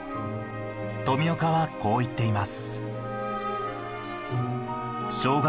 富岡はこう言っています。